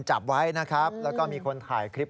จับไว้นะครับแล้วก็มีคนถ่ายคลิป